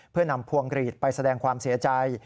เพื่อนำพวงกรีดไปแสดงความเสียใจ